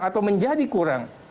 atau menjadi kurang